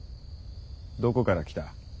どこから来た？